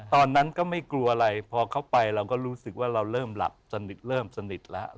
ตอนนั้นก็ไม่กลัวอะไรพอเข้าไปเราก็รู้สึกว่าเราเริ่มหลับสนิทเริ่มสนิทแล้ว